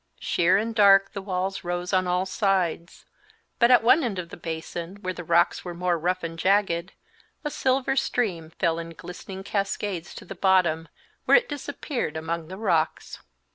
Sheer and dark the walls rose on all sides, but at one end of the basin, where the rocks were more rough and jagged, a silver stream fell in glistening cascades to the bottom, where it disappeared among the rocks.